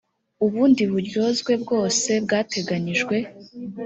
ubundi buryozwe bwose bwateganyijwe